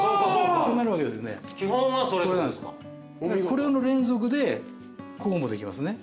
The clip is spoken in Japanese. これの連続でこうもできますね。